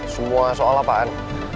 semua soal apaan